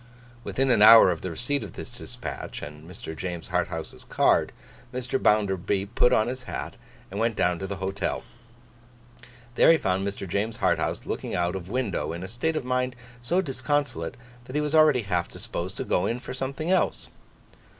Within an hour of the receipt of this dispatch and Mr. James Harthouse's card, Mr. Bounderby put on his hat and went down to the Hotel. There he found Mr. James Harthouse looking out of window, in a state of mind so disconsolate, that he was already half disposed to 'go in' for something else.